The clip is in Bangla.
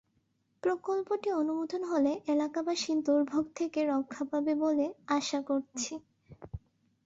প্রকল্পটি অনুমোদন হলে এলাকাবাসী দুর্ভোগ থেকে রক্ষা পাবে বলে আশা করছি।